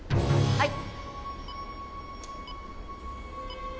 はい。